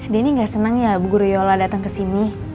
denny gak seneng ya bu guruyola dateng kesini